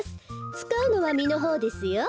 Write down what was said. つかうのはみのほうですよ。